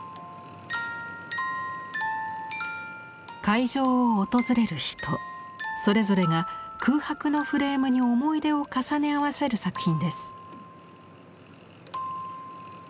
会場を訪れる人それぞれが空白のフレームに思い出を重ね合わせる作品です。